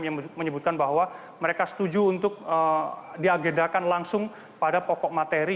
yang menyebutkan bahwa mereka setuju untuk diagendakan langsung pada pokok materi